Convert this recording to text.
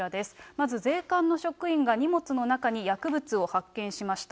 まず税関の職員が荷物の中に薬物を発見しました。